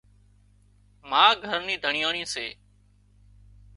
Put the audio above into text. ما گھر نِي ڌڻيئاڻي سي